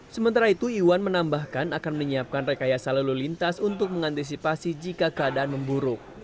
sementara itu iwan menambahkan akan menyiapkan rekayasa lalu lintas untuk mengantisipasi jika keadaan memburuk